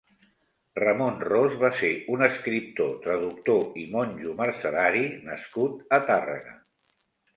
Ramon Ros va ser un escriptor, traductor i monjo mercedari nascut a Tàrrega.